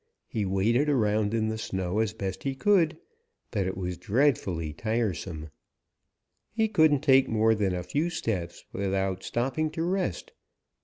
He waded around in the snow as best he could, but it was dreadfully tiresome. He couldn't take more than a few steps without stopping to rest.